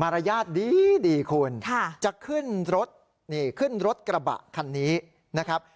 มารยาทดีคุณจะขึ้นรถนี่ขึ้นรถกระบะคันนี้นะครับ